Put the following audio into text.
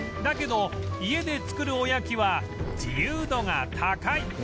だけど家で作るおやきは自由度が高い